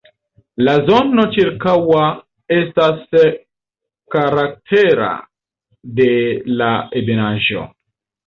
La zono ĉirkaŭa estas karaktera de la ebenaĵo.